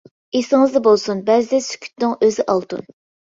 ئېسىڭىزدە بولسۇن بەزىدە سۈكۈتنىڭ ئۆزى ئالتۇن.